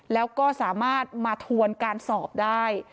แล้วก็สามารถมาทวนการสอบได้